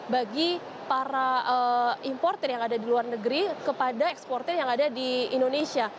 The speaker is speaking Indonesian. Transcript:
bagi para importer yang ada di luar negeri kepada eksportir yang ada di indonesia